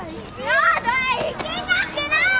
やだ行きたくない！